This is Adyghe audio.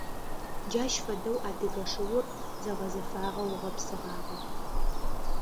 Джащ фэдэу адыгэ шыур зэгъэзэфагъэу гъэпсыгъагъэ.